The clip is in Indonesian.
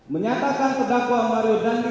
menyatakan terdakwa mario dandi